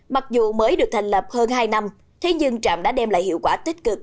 mặc dù mới được thành lập hơn hai năm thế nhưng trạm đã đem lại hiệu quả tích cực